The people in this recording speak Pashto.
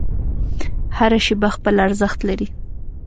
هره شیبه خپل ارزښت لري.